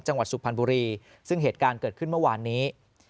สุพรรณบุรีซึ่งเหตุการณ์เกิดขึ้นเมื่อวานนี้